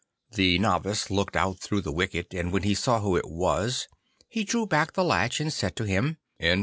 The novice looked out through the wicket, and when he saw who it was, he drew back the latch and said to him, 'Enter.